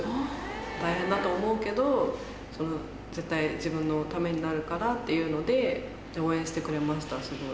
大変だと思うけど、絶対自分のためになるからっていうので、応援してくれました、すごい。